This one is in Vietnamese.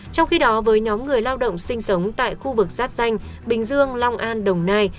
trong khi đó với nhóm người lao động sinh sống tại khu vực giáp danh bình dương long an đồng nai